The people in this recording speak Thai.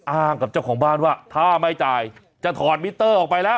อ้างกับเจ้าของบ้านว่าถ้าไม่จ่ายจะถอดมิเตอร์ออกไปแล้ว